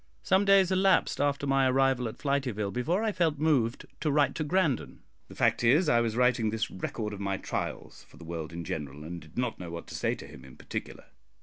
Some days elapsed after my arrival at Flityville before I felt moved to write to Grandon. The fact is, I was writing this record of my trials for the world in general, and did not know what to say to him in particular.